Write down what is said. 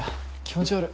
気持ち悪。